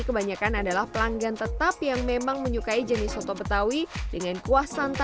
kebanyakan adalah pelanggan tetap yang memang menyukai jenis soto betawi dengan kuah santan